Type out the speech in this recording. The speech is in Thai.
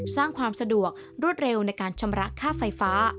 สร้างความสะดวกรวดเร็วในการชำระค่าไฟฟ้า